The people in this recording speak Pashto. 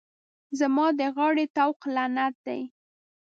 زما د غاړې طوق لعنت دی.